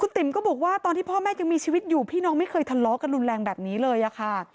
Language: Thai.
ติ๋มก็บอกว่าตอนที่พ่อแม่ยังมีชีวิตอยู่พี่น้องไม่เคยทะเลาะกันรุนแรงแบบนี้เลยอะค่ะ